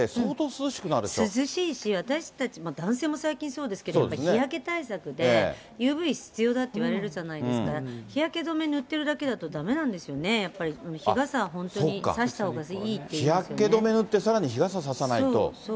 涼しいし、私たち、男性も最近、そうですけど、日焼け対策で、ＵＶ必要だっていわれるじゃないですか、日焼け止め塗ってるだけだと、だめなんですよね、やっぱり、日傘そっか、日焼け止め塗って、さらに日傘差さないと。